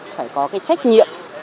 phải có cái trách nhiệm